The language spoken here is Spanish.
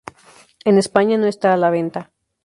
En España, no está a la venta.